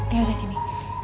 ya udah sini